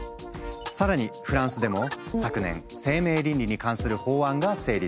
更にフランスでも昨年生命倫理に関する法案が成立。